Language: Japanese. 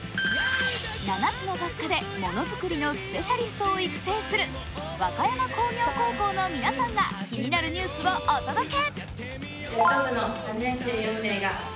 ７つの学科でものづくりのスペシャリストを育成する和歌山工業高校の皆さんが気になるニュースをお届け。